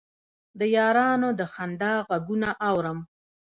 د یارانو د خندا غـــــــــــــــــږونه اورم